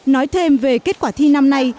nói thêm về kết quả thi năm nay